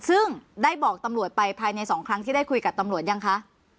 ซึ่งได้บอกตำรวจไปภายใน๒ครั้งที่ได้คุยกับตำรวจยังคะ